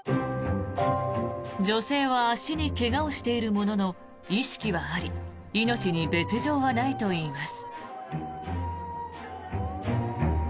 女性は足に怪我をしているものの意識はあり命に別条はないといいます。